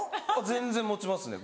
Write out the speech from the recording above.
全然持ちますね